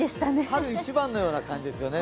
春一番のような感じですよね。